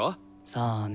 さあね。